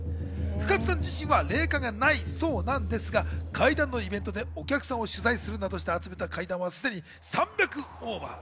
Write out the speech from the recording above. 深津さん自身は霊感がないそうなんですが、怪談のイベントでお客さんを取材するなどして集めた怪談はすでに３００オーバー。